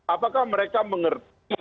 apakah mereka mengerti